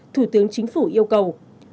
thủ tướng chính phủ yêu cầu